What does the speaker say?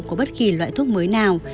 của bất kỳ loại thuốc mới nào